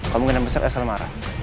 kemungkinan besar elsa lemarah